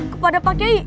kepada pak kiai